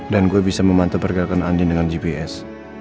dan gue bisa memantau pergerakan andien dengan gps